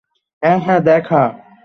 হ্যাঁ, হ্যাঁ, দেখা।